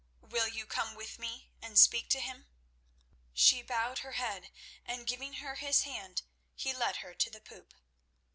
Will you come with me and speak to him?" She bowed her head, and giving her his hand, he led her to the poop.